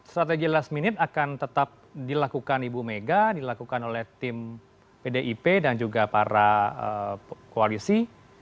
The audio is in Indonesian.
strategi last minute akan tetap dilakukan ibu mega dilakukan oleh tim pdip dan juga para koalisi